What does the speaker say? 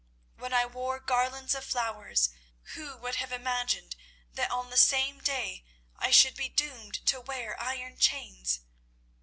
When I wore garlands of flowers, who would have imagined that on the same day I should be doomed to wear iron chains?"